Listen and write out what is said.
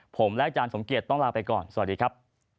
ผมและอาจารย์สมเกียจต้องลาไปก่อนสวัสดีครับ